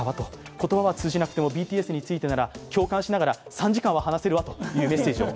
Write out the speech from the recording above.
言葉は通じなくても、ＢＴＳについてなら共感しながら３時間は話せるわと、メッセージが。